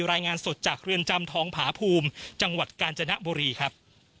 รายงานสดจากเรือนจำทองผาภูมิจังหวัดกาญจนบุรีครับ